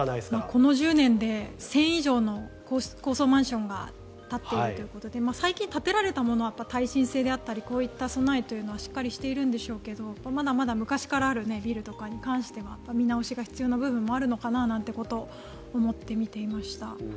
この１０年で１０００以上の高層マンションが建っているということで最近、建てられたものは耐震性であったり備えはあるんでしょうがまだまだ昔からあるビルとかに関しては見直しが必要な部分があるのかなと思って見ていました。